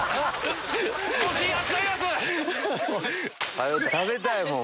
早食べたいもん！